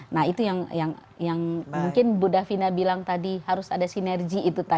nah itu yang mungkin bu davina bilang tadi harus ada sinergi itu tadi